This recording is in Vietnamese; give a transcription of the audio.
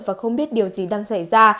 và không biết điều gì đang xảy ra